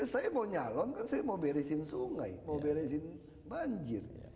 saya mau nyalon kan saya mau beresin sungai mau beresin banjir